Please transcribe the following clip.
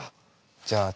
じゃあ次。